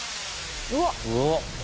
うわっ！